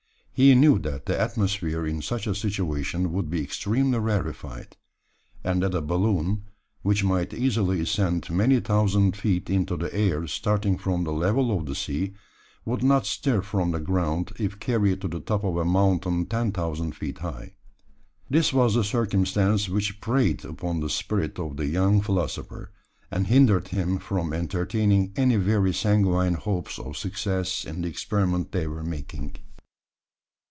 He knew that the atmosphere in such a situation would be extremely rarefied, and that a balloon, which might easily ascend many thousand feet into the air starting from the level of the sea, would not stir from the ground if carried to the top of a mountain ten thousand feet high. This was the circumstance which preyed upon the spirit of the young philosopher, and hindered him from entertaining any very sanguine hopes of success in the experiment they were making.